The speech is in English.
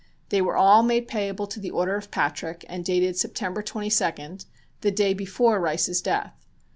They were all made payable to the order of Patrick and dated September 22d, the day before Rice's death.